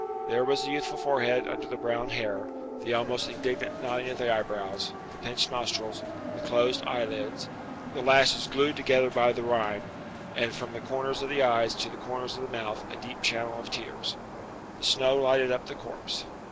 There was the youthful forehead under the brown hair, the almost indignant knitting of the eyebrows, the pinched nostrils, the closed eyelids, the lashes glued together by the rime, and from the corners of the eyes to the corners of the mouth a deep channel of tears. The snow lighted up the corpse.